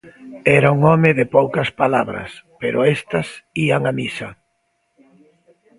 Era un home de poucas palabras, pero estas ían a misa.